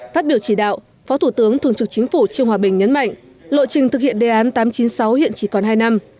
phát biểu chỉ đạo phó thủ tướng thường trực chính phủ trương hòa bình nhấn mạnh lộ trình thực hiện đề án tám trăm chín mươi sáu hiện chỉ còn hai năm